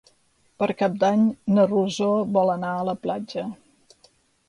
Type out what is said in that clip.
Per Cap d'Any na Rosó vol anar a la platja.